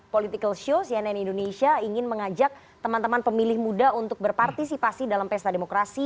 political show cnn indonesia ingin mengajak teman teman pemilih muda untuk berpartisipasi dalam pesta demokrasi